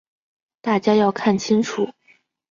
大家要看清楚。